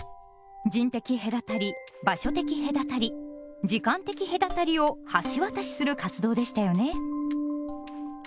人的隔たり・場所的隔たり時間的隔たりを橋渡しする活動でしたよね。